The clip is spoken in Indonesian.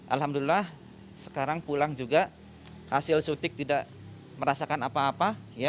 alhamdulillah sekarang pulang juga hasil suntik tidak merasakan apa apa